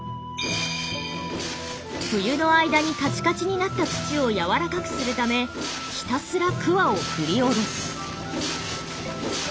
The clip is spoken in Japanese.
冬の間にカチカチになった土をやわらかくするためひたすら鍬を振り下ろす。